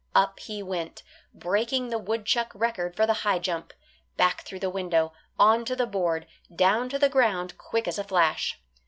Up he went, breaking the woodchuck record for the high jump, back through the window, onto the board, down to the ground quick as a flash.